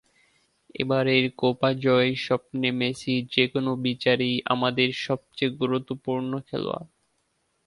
এবারের কোপা জয়ের স্বপ্নে মেসি যেকোনো বিচারেই আমাদের সবচেয়ে গুরুত্বপূর্ণ খেলোয়াড়।